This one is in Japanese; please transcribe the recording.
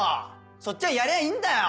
「そっちはやりゃいいんだよ！」